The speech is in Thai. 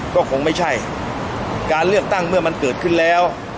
ก็คงไม่ใช่การเลือกตั้งเมื่อมันเกิดขึ้นแล้ว